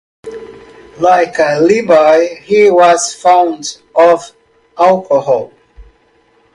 Like Li Bai, he was fond of alcohol.